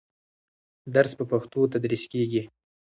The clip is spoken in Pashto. درس په پښتو تدریس کېږي.